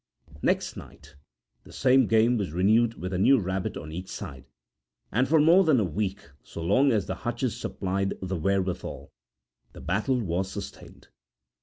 Next night the same game was renewed with a new rabbit on each side, and for more than a week so long as the hutches supplied the wherewithal the battle was sustained.